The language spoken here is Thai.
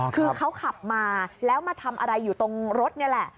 คือเขาขับมาแล้วมาทำอะไรอยู่ตรงรถนี่แหละ